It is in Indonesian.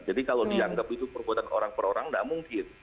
jadi kalau dianggap itu perbuatan orang orang tidak mungkin